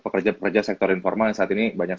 pekerja pekerja sektor informal yang saat ini banyak